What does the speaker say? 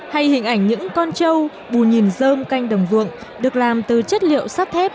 hay hình ảnh những con trâu bù nhìn rơm canh đồng vượng được làm từ chất liệu sắc thép